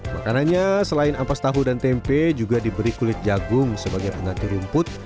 makanannya selain ampas tahu dan tempe juga diberi kulit jagung sebagai penganti rumput